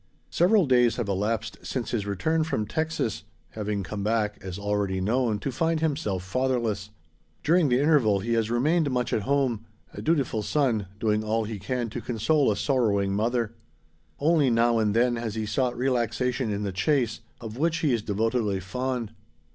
Several days have elapsed since his return from Texas, having come back, as already known, to find himself fatherless. During the interval he has remained much at home a dutiful son, doing all he can to console a sorrowing mother. Only now and then has he sought relaxation in the chase, of which he is devotedly fond.